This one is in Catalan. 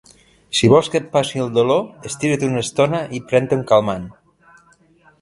Si vols que et passi el dolor, estira't una estona i pren-te un calmant.